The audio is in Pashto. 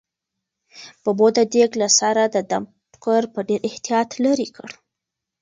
ببو د دېګ له سره د دم ټوکر په ډېر احتیاط لیرې کړ.